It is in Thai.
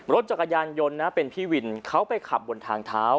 รถจักรยานยนต์นะเป็นพี่วินเขาไปขับบนทางเท้า